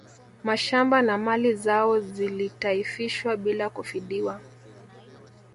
Mashamba na mali zao zilitaifishwa bila kufidiwa